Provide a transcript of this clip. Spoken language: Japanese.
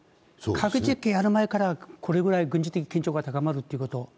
核実験をやる前から、これくらい警戒が高まるということ。